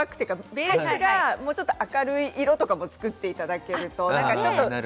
黒い色じゃなくて、ベースがもうちょっと明るい色とかも作っていただけると。